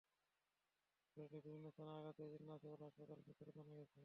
শরীরের বিভিন্ন স্থানে আঘাতের চিহ্ন আছে বলে হাসপাতাল সূত্রে জানা গেছে।